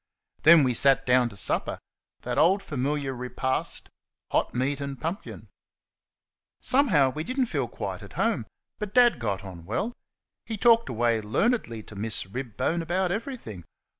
Then we sat down to supper that old familiar repast, hot meat and pumpkin. Somehow we did n't feel quite at home; but Dad got on well. He talked away learnedly to Miss Ribbone about everything.